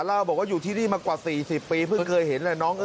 เล่าบอกว่าอยู่ที่นี่มากว่า๔๐ปีเพิ่งเคยเห็นแหละ